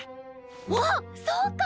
あっそうか！